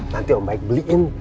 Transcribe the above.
nanti om baik beliin